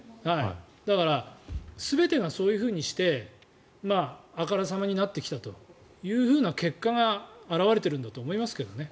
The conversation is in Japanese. だから全てがそういうふうにしてあからさまになってきたという結果が現れているんだと思いますけどね。